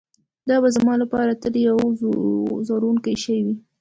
دا به زما لپاره تل یو ځورونکی شی وي